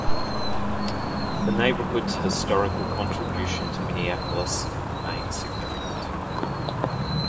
The neighborhood's historical contribution to Minneapolis remains significant.